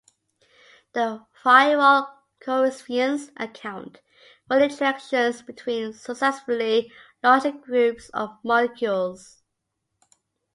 The virial coefficients account for interactions between successively larger groups of molecules.